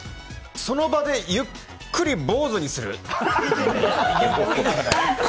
その場でゆっくり坊主にする。